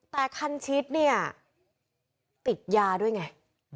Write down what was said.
แต่คันชิดเนี่ยติดยาด้วยไง